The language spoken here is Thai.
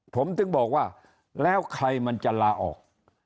ผมถึงบอกว่าแล้วใครมันจะลาออก